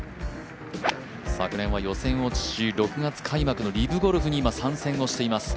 昨年は予選落ちし６月開幕のリブゴルフに参戦しています。